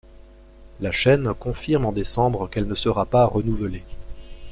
La chaine confirme en décembre qu'elle ne sera pas renouvelée.